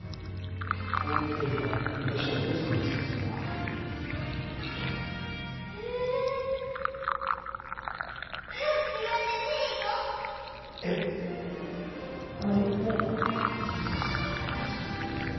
このホテルは昔お父さんが造ったんだへ早く着替えて海に行こうえっ？ももうか？